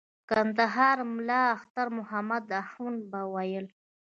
د کندهار ملا اختر محمد اخند به ویل.